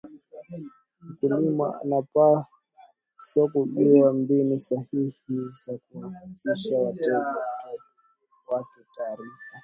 mkulima anapaswa kujua mbinu sahihi za kuwafikishia wateja wake taarifa